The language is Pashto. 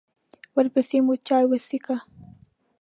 ورپسې مو چای وڅښه.